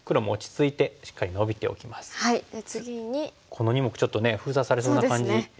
この２目ちょっと封鎖されそうな感じしてきますよね。